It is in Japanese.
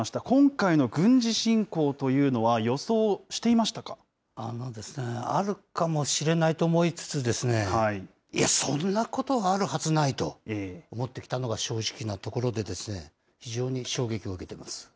今回の軍事侵攻というのは、予想あるかもしれないと思いつつですね、いや、そんなことはあるはずないと思ってきたのが正直なところで、非常に衝撃を受けてます。